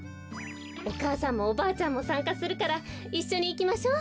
お母さんもおばあちゃんもさんかするからいっしょにいきましょう。